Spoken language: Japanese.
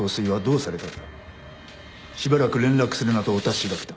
しばらく連絡するなとお達しが来た。